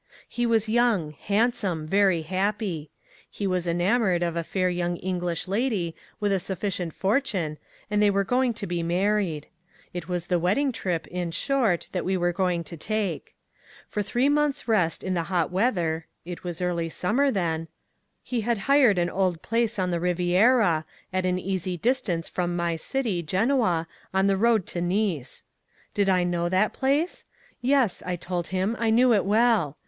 He was young, handsome, very happy. He was enamoured of a fair young English lady, with a sufficient fortune, and they were going to be married. It was the wedding trip, in short, that we were going to take. For three months' rest in the hot weather (it was early summer then) he had hired an old place on the Riviera, at an easy distance from my city, Genoa, on the road to Nice. Did I know that place? Yes; I told him I knew it well.